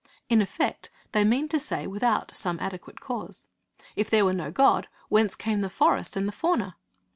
_' In effect they mean to say, without some adequate cause. If there were no God, whence came the forest and the fauna?